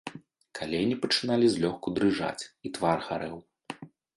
Калені пачыналі злёгку дрыжаць, і твар гарэў.